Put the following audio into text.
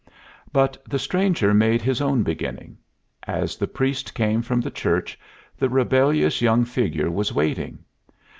II But the stranger made his own beginning. As the priest came from the church, the rebellious young figure was waiting.